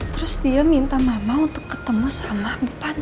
terus dia minta mama untuk ketemu sama bupati